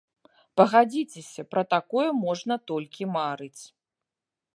Пагадзіцеся, пра такое можна толькі марыць.